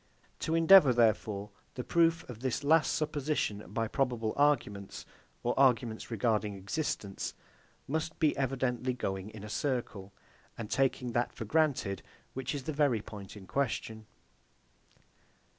To endeavour, therefore, the proof of this last supposition by probable arguments, or arguments regarding existence, must be evidently going in a circle, and taking that for granted, which is the very point in question.